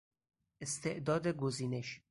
استعداد گزینش